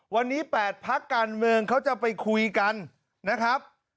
วันนี้๘พักการเมืองเขาจะไปคุยกันนะครับ